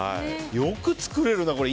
よく作れるな、これ。